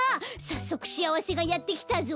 さっそくしあわせがやってきたぞ！